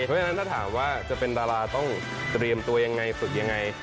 เพราะฉะนั้นถ้าถามว่าจะเป็นดาราต้องเตรียมตัวยังไงฝึกยังไง